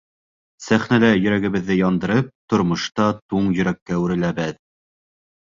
Сәхнәлә йөрәгебеҙҙе яндырып, тормошта туң йөрәккә әүереләбеҙ!